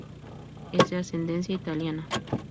Es de ascendencia italiana.